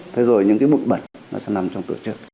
thế rồi những cái bụng bẩn nó sẽ nằm trong tổ chức